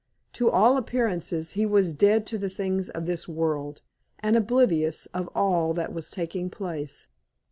To all appearances he was dead to the things of this world, and oblivious of all that was taking place.